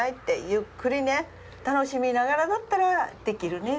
ゆっくり楽しみながらだったらできるね。